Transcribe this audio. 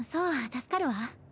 助かるわ。